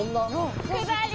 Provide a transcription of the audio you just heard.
下り！